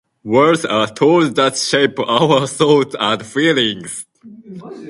Words are tools that shape our thoughts and feelings.